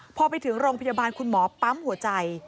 พอไปถึงโรงพยาบาลคุณหมอปั๊มหัวใจ